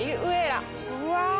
うわ！